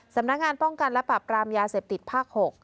สำนักงานป้องกันและปรับกรามยาเสพติดภาค๖